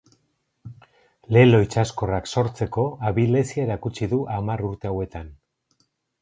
Lelo itsaskorrak sortzeko abilezia erakutsi du hamar urte hauetan.